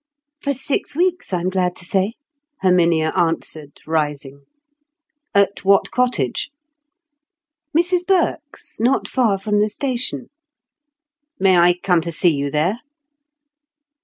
"For, six weeks, I'm glad to say," Herminia answered, rising. "At what cottage?" "Mrs Burke's—not far from the station." "May I come to see you there?"